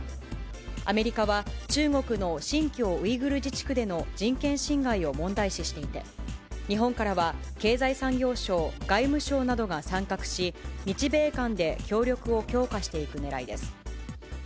アメリカは中国の新疆ウイグル自治区での人権侵害を問題視していて、日本からは経済産業省、外務省などが参画し、日米間で協力を強化していくねらいです。